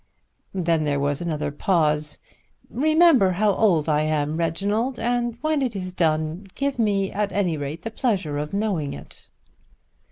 Then there was another pause. "Remember how old I am, Reginald, and when it is to be done give me at any rate the pleasure of knowing it."